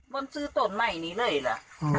มันซื้อตัวใหม่นี้เลยล่ะ